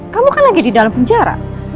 kamu kan lagi di dalam penjara